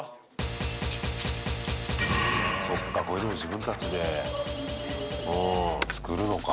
そっか、こういうの自分たちで作るのか。